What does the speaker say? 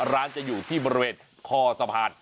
ร้านจะอยู่ที่บริเวณคอสะพาน